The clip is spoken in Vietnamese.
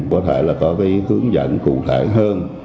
có hướng dẫn cụ thể hơn